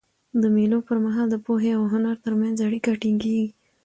د مېلو پر مهال د پوهي او هنر ترمنځ اړیکه ټینګيږي.